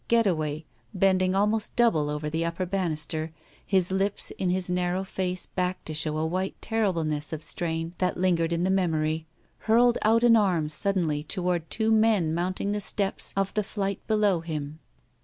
Getaway, bending almost double over the upper banister, bis lips in his narrow face back to show a white terribleness of strain that hngered in the memory, hurled out an arm suddenly toward two men mounting the steps of the flight below him.